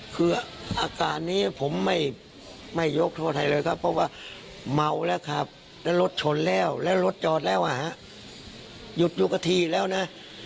คืออาการนี้ผมไม่ยกโทษให้เลยครับเพราะว่าเมาแล้วครับแล้วรถชนแล้วแล้วรถจอดแล้วหยุดยุกะทีแล้วนะ